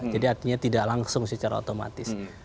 jadi artinya tidak langsung secara otomatis